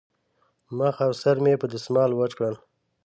مخ او سر مې په دستمال وچ کړل.